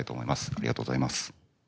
ありがとうございます。